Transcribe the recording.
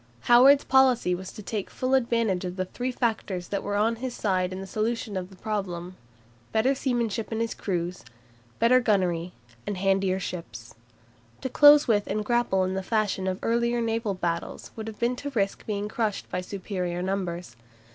Howard's policy was to take full advantage of the three factors that were on his side in the solution of the problem, better seamanship in his crews, better gunnery, and handier ships. To close with and grapple in the fashion of earlier naval battles would have been to risk being crushed by superior numbers.